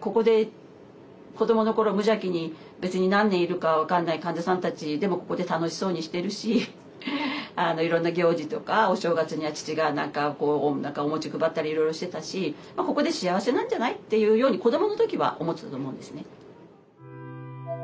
ここで子どもの頃無邪気に別に何年いるか分からない患者さんたちでもここで楽しそうにしてるしいろんな行事とかお正月には父が何かお餅配ったりいろいろしてたしここで幸せなんじゃない？っていうように子どもの時は思ってたと思うんですね。